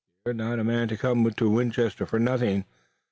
"You're not a man to come to Winchester for nothing.